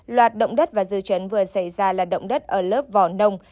loạt động đất và dư chấn vừa xảy ra là động đất ở lớp vỏ nông